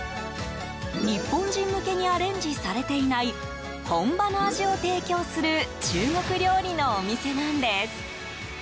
日本人向けにアレンジされていない本場の味を提供する中国料理のお店なんです。